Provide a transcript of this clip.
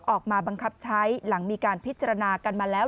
ออกมาบังคับใช้หลังมีการพิจารณากันมาแล้ว